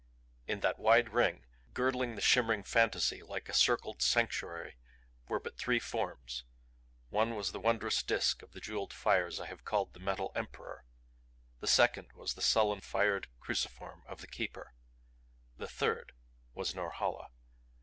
In that wide ring, girdling the shimmering fantasy like a circled sanctuary, were but three forms. One was the wondrous Disk of jeweled fires I have called the Metal Emperor; the second was the sullen fired cruciform of the Keeper. The third was Norhala!